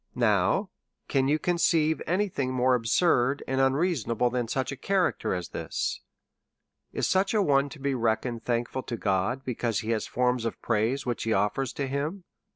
Now, can you conceive any thing more absurd and unreasonable than such a character as this ? Is such a one to be reckoned thankful to God, because he has forms of praise which he offers to him